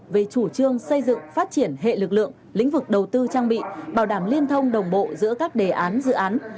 về chủ trương xây dựng phát triển hệ lực lượng lĩnh vực đầu tư trang bị bảo đảm liên thông đồng bộ giữa các đề án dự án